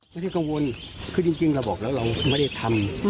ไม่ได้กังวลคือจริงเราบอกแล้วเราไม่ได้ทำ